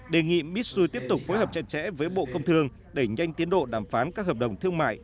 đề nghị mitsui tiếp tục phối hợp chặt chẽ với bộ công thương đẩy nhanh tiến độ đàm phán các hợp đồng thương mại